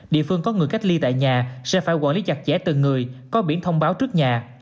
địa phương có người cách ly tại nhà sẽ phải quản lý chặt chẽ từng người có biển thông báo trước nhà